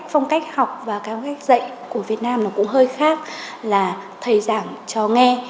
phong cách học và phong cách dạy của việt nam cũng hơi khác là thầy giảng cho nghe